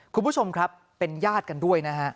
คุณผู้ชมครับเป็นญาติกันด้วยนะฮะ